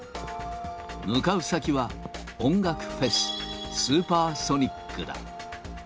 向かう先は、音楽フェス、スーパーソニックだ。